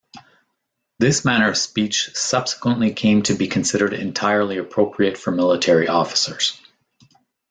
This manner of speech subsequently came to be considered entirely appropriate for military officers.